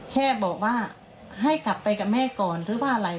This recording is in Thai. แค่บอกว่าให้กลับไปกับแม่ก่อนหรือว่าอะไร